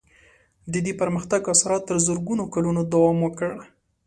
د دې پرمختګ اثرات تر زرګونو کلونو دوام وکړ.